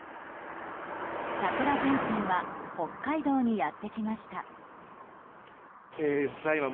桜前線は北海道にやってきました。